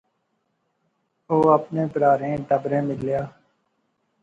او اپنے پرھاریں ٹبریں ملیا